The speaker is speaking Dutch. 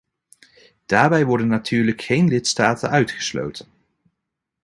Daarbij worden natuurlijk geen lidstaten uitgesloten.